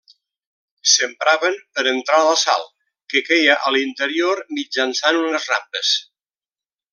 S'empraven per entrar la sal, que queia a l'interior mitjançant unes rampes.